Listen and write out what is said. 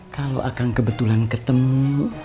kalau akang kebetulan ketemu